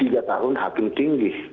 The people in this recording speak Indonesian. tiga tahun hakim tinggi